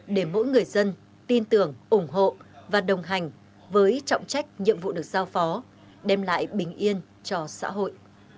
để mỗi người dân tin tưởng ủng hộ và đồng hành với trọng trách nhiệm vụ được giao phó đem lại bình yên cho xã hội